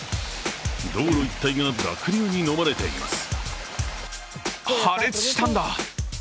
道路一帯が濁流にのまれています。